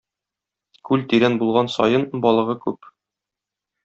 Күл тирән булган саен балыгы күп.